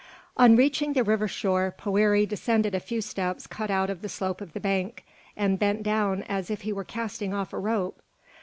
On reaching the river shore, Poëri descended a few steps cut out of the slope of the bank, and bent down as if he were casting off a rope.